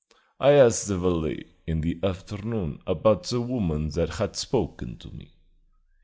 I asked the valet in the afternoon about the woman that had spoken to me.